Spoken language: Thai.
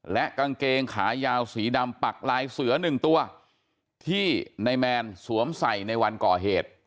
และกางเกงขายาวสีดำปักลายเสือหนึ่งตัวที่นายแมนสวมใส่ในวันก่อเหตุ